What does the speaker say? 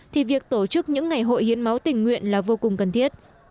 thì việc tổ chức những ngày hội hiến máu tình nguyện là vô cùng cần thiết